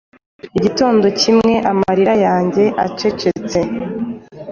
Igitondo kinywa amarira yanjye acecetse,